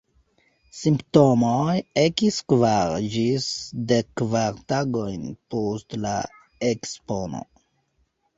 Simptomoj ekis kvar ĝis dekkvar tagojn post la ekspono.